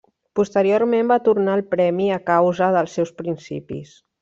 Posteriorment va tornar el premi a causa dels seus principis.